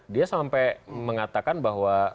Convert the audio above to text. dia sampai mengatakan bahwa